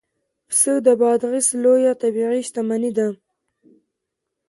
پسته د بادغیس لویه طبیعي شتمني ده